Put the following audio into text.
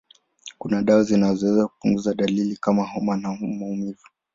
Kuna dawa zinazoweza kupunguza dalili kama homa au maumivu.